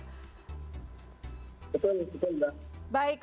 betul betul mbak